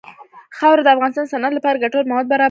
خاوره د افغانستان د صنعت لپاره ګټور مواد برابروي.